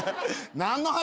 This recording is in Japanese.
何の話？